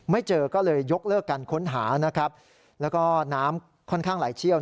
เจอก็เลยยกเลิกการค้นหานะครับแล้วก็น้ำค่อนข้างไหลเชี่ยว